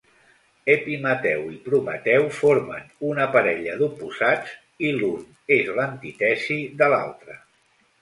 Epimeteu i Prometeu formen una parella d'oposats, i l'un és l'antítesi de l'altre.